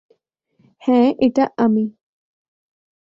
হ্যাঁ, এটা আমি।